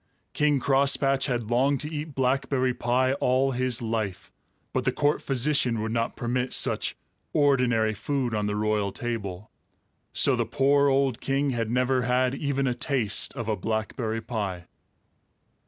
King Crosspatch had longed to eat blackberry pie all his life, but the court physician would not permit such ordinary food on the royal table. So the poor old king had never had even a taste of a blackberry pie.